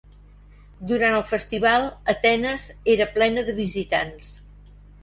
Durant el festival, Atenes era plena de visitants.